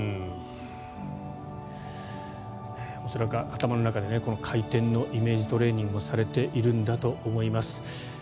恐らく頭の中で回転のイメージトレーニングをされているんだと思います。